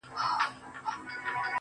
زما د دواړو سترگو، تورې مه ځه~